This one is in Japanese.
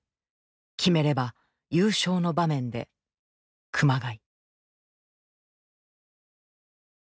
決めれば優勝の場面で熊谷。